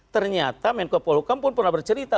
ternyata menko polukam pun pernah bercerita